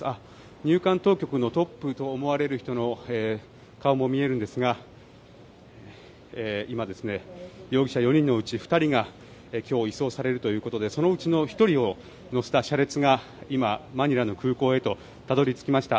入管当局のトップと思われる人の顔も見えるんですが容疑者４人のうち２人が今日、移送されるということでそのうちの１人を乗せた車列が今マニラの空港へ到着しました。